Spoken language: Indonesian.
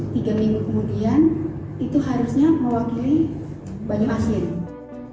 tiga minggu kemudian itu harusnya mewakili banyu asin